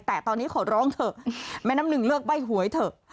แต่ตอนนี้ขอร้องเถอะแม่น้ำหนึ่งเลือกใบ้หวยเถอะ